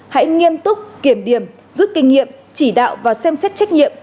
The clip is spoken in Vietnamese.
hãy nghiêm túc kiểm điểm rút kinh nghiệm chỉ đạo và xem xét trách nhiệm